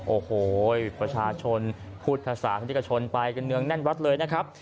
โอ้โหประชาชนพุทธศาสนิกชนไปกันเนืองแน่นวัดเลยนะครับ